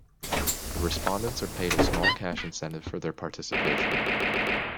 The respondents are paid a small cash incentive for their participation.